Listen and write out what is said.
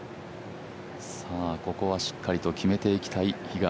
ここはしっかりと決めていきたい比嘉。